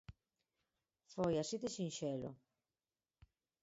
Foi así de sinxelo.